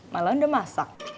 malah udah masak